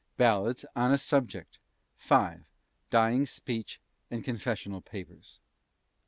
BALLADS ON A SUBJECT. IV. DYING SPEECH AND CONFESSIONAL PAPERS.